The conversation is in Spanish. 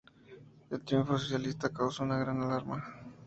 El triunfo socialista causó una gran alarma.